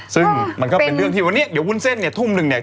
ซึ่งมันก็เป็นเรื่องที่วันนี้เดี๋ยววุ้นเส้นเนี่ยทุ่มหนึ่งเนี่ย